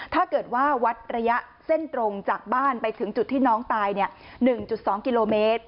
ถ้าเกิดว่าวัดระยะเส้นตรงจากบ้านไปถึงจุดที่น้องตาย๑๒กิโลเมตร